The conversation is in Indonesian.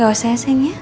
gak usah ya sayangnya